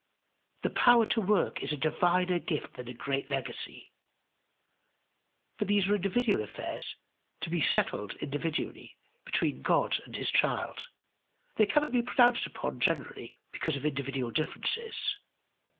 The power to work is a diviner gift than a great legacy. But these are individual affairs to be settled individually between God and his child. They cannot be pronounced upon generally because of individual differences.